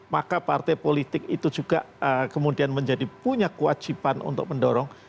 maka partai politik itu juga kemudian menjadi punya kewajiban untuk mendorong